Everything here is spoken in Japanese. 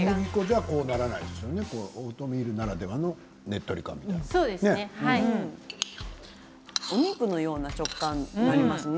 オートミールならではのねっとり感ですね。